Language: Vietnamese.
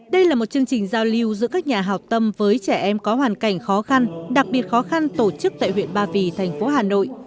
đây là một chương trình giao lưu giữa các nhà hào tâm với trẻ em có hoàn cảnh khó khăn đặc biệt khó khăn tổ chức tại huyện ba vì thành phố hà nội